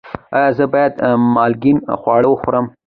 ایا زه باید مالګین خواړه وخورم؟